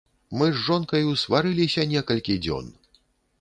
Мы з жонкаю сварыліся некалькі дзён.